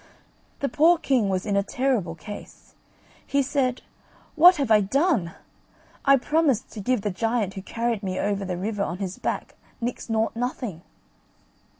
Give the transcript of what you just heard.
The poor king was in a terrible case. He said: "What have I done? I promised to give the giant who carried me over the river on his back, Nix Nought Nothing."